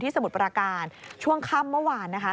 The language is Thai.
สมุทรประการช่วงค่ำเมื่อวาน